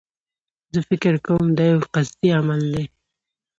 زه فکر کوم دایو قصدي عمل دی.